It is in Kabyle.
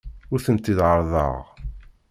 Ur tent-id-ɛerrḍeɣ.